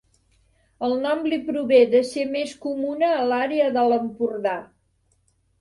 El nom li prové de ser més comuna a l'àrea de l'Empordà.